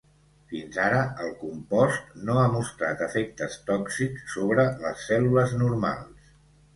Fins ara, el compost no ha mostrat efectes tòxics sobre les cèl·lules normals.